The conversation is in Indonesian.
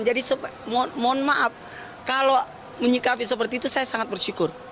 jadi mohon maaf kalau menyikapi seperti itu saya sangat bersyukur